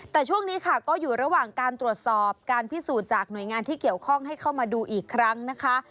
แต่ช่วงนี้ค่ะก็อยู่ระหว่างการตรวจสอบการพิสูจน์จากหน่วยงานที่เกี่ยวข้องให้เข้ามาดูอีกครั้งนะคะ